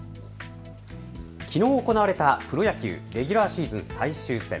きのう行われたプロ野球、レギュラーシーズン最終戦。